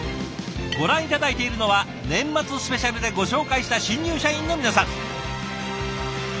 ご覧頂いているのは年末スペシャルでご紹介した新入社員の皆さん。